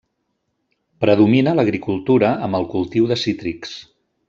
Predomina l'agricultura amb el cultiu de cítrics.